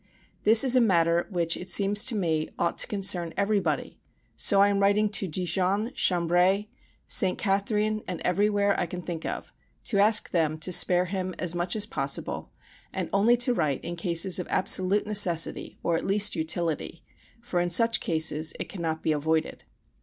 This is a matter which it seems to me ought to concern everybody: so I am writing to Dijon, Chambéry, St. Catherine, and everywhere I can think of, to ask them to spare him as much as possible and only to write in cases of absolute necessity, or at least utility; for in such cases it cannot be avoided.